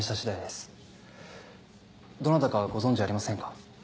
どなたかご存じありませんか？